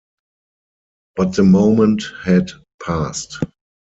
But the moment had passed.